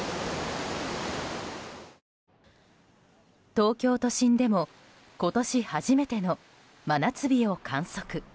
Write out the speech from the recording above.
東京都心でも今年初めての真夏日を観測。